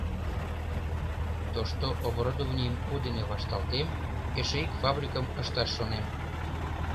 Тошто оборудованийым у дене вашталтем, эше ик фабрикым ышташ шонем.